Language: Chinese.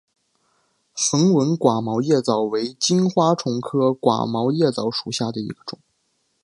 横纹寡毛叶蚤为金花虫科寡毛叶蚤属下的一个种。